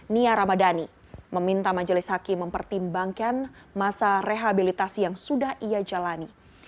nia ramadhani meminta majelis hakim mempertimbangkan masa rehabilitasi yang sudah ia jalani